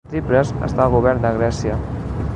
Tsipras està al govern de Grècia